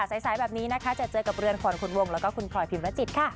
สายแบบนี้นะคะจะเจอกับเรือนขวัญขุนวงแล้วก็คุณพลอยพิมรจิตค่ะ